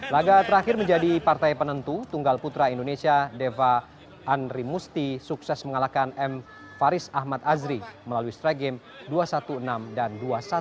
laga terakhir menjadi partai penentu tunggal putra indonesia deva andrimusti sukses mengalahkan m faris ahmad azri melalui straight game dua satu enam dan dua satu